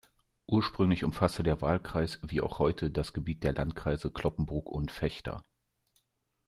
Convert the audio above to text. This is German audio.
Ursprünglich umfasste der Wahlkreis, wie auch heute, das Gebiet der Landkreise Cloppenburg und Vechta.